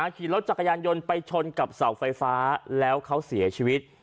ขี่รถจักรยานยนต์ไปชนกับเสาไฟฟ้าแล้วเขาเสียชีวิต